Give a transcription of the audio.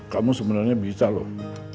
kamu sebenarnya bisa loh